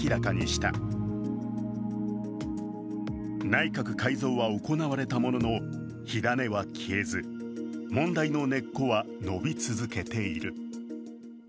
内閣改造は行われたものの火種は消えず、問題の根っこは伸び続けている。